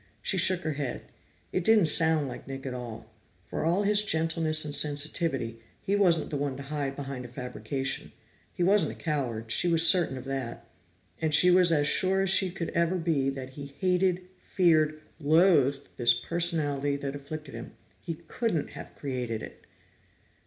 She shook her head; it didn't sound like Nick at all. For all his gentleness and sensitivity, he wasn't the one to hide behind a fabrication. He wasn't a coward; she was certain of that. And she was as sure as she could ever be that he hated, feared, loathed this personality that afflicted him; he couldn't have created it.